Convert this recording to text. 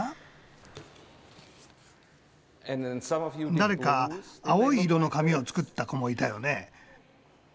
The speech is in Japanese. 誰か青い色の紙を作った子もいたよね。